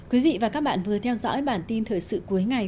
quý vị và các bạn vừa theo dõi bản tin thời sự cuối ngày